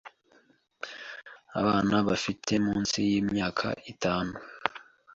Abana bafite munsi y’imyaka itanu